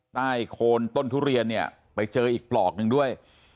โคนต้นทุเรียนเนี่ยไปเจออีกปลอกหนึ่งด้วย